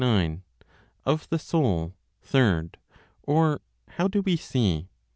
(Of the Soul, Third; or, How do We See?)